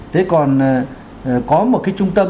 thế còn có một cái trung tâm